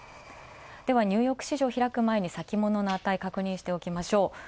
ではニューヨーク市場開く前に先物の値、確認しておきましょう。